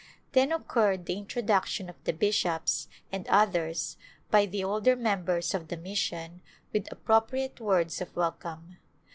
Then occurred the introduction of the bishops and others by the older members of the mission with appropriate words of welcome.